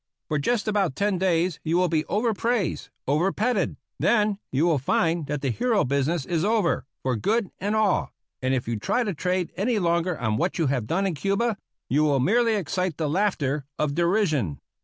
For just about ten days you will be overpraised, over petted; then you will find that the hero business is over for good and all; and if you try to trade any longer on what you have done in Cuba, you will merely excite the laughter of derision.